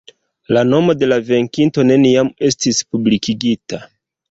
La nomo de la venkinto neniam estis publikigita.